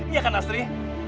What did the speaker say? iya kan lasri